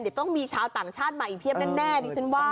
เดี๋ยวต้องมีชาวต่างชาติมาอีกเพียบแน่ดิฉันว่า